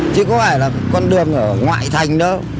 chứ có phải là con đường ở ngoại thành đó